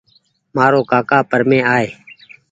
مآ رو ڪآڪآ پرمي آئي